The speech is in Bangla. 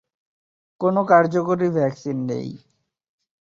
কোন কার্যকরী ভ্যাকসিন নেই।